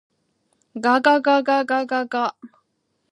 ががががががが。